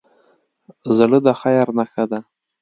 زړه د خیر نښه ده.